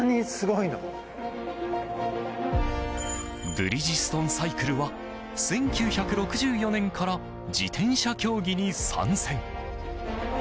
ブリヂストンサイクルは１９６４年から自転車競技に参戦。